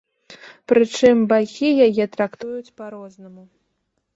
Прычым бакі яе трактуюць па-рознаму.